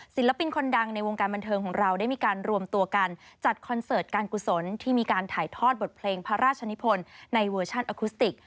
ศิลปินคนดังในวงการบันเทิงของเราได้มีการรวมตัวกันจัดคอนเสิร์ตการกุศลที่มีการถ่ายทอดบทเพลงพระราชนิพลในเวอร์ชันอคุสติก